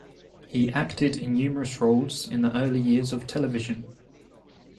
He acted in numerous roles in the early years of television.